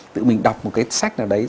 tự mình đọc một cái sách nào đấy